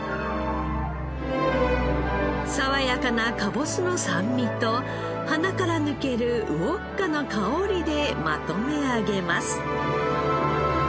爽やかなかぼすの酸味と鼻から抜けるウォッカの香りでまとめ上げます。